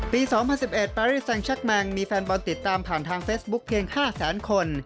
ปี๒๐๑๑ปาริสรชมังมีแฟนบอลติดตามผ่านทางเฟซบุ๊กเพียง๕๐๐คน